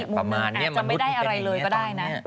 ประมาณนี้จะไม่ได้อะไรเลยก็ได้นะ